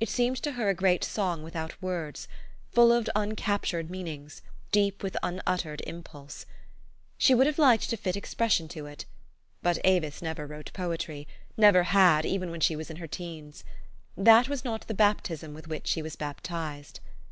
It seemed to her a great song without words, full of uncaptured meanings, deep with unuttered impulse. She would have liked to fit expression to it ; but Avis never wrote u poetrjV never had, even when she was in her teens. That was not the baptism with which she was baptized.